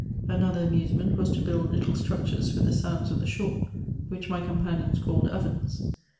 Another amusement was to build little structures with the sands of the shore, which my companions called ovens.